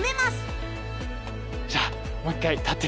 じゃあ。